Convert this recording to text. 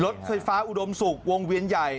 รถไฟฟ้าอุดมศุกร์วงเวียนใหญ่